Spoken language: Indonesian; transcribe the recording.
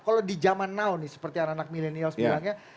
kalau di zaman now nih seperti anak anak milenial bilangnya